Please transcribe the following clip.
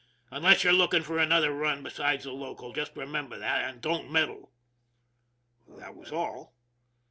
Unless you're looking for another run besides the local, just remember that and don't meddle." That was all.